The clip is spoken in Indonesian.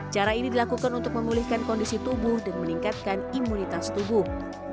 cara ini dilakukan untuk memulihkan kondisi tubuh dan meningkatkan imunitas tubuh